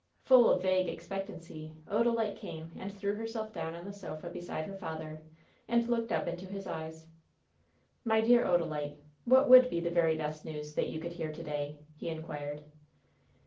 Full of vague expectancy, Odalite came and threw herself down on the sofa beside her father, and looked Uf into his eyes. "My dear Odalite, what would be the very best news that you could hear to day?" he inquired.